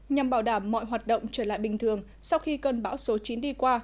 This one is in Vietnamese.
nhằm bảo đảm mọi hoạt động trở lại bình thường sau khi cơn bão số chín đi qua